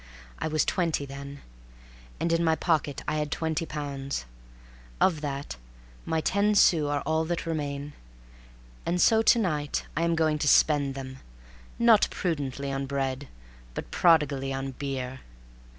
I was twenty then, and in my pocket I had twenty pounds. Of that, my ten sous are all that remain. And so to night I am going to spend them, not prudently on bread, but prodigally on beer.